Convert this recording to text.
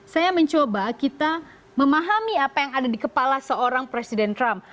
saya mencoba kita memahami apa yang ada di kepala seorang presiden trump